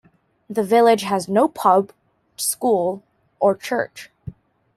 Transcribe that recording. The village has no pub, school or church.